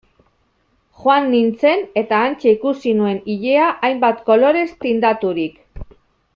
Joan nintzen eta hantxe ikusi nuen ilea hainbat kolorez tindaturik...